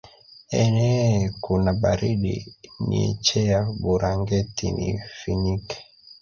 Eeo kuna baridi niecheya burangeti niifinike